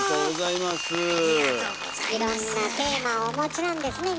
いろんなテーマをお持ちなんですね